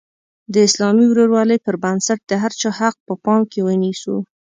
د اسلامي ورورولۍ پر بنسټ د هر چا حق په پام کې ونیسو.